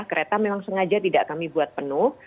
kereta memang sengaja tidak kami buat penuh